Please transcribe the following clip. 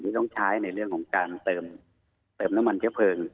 ที่ต้องใช้ในเรื่องของการเติมน้ำมันเครื่องเผลอ